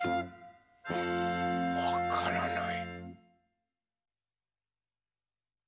わからない。